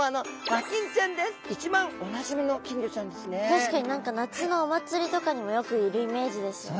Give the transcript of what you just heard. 確かに何か夏のお祭りとかにもよくいるイメージですよね。